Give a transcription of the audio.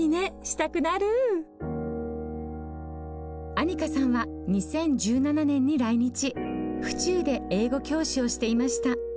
アニカさんは２０１７年に来日府中で英語教師をしていました。